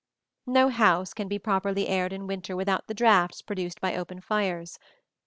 No house can be properly aired in winter without the draughts produced by open fires.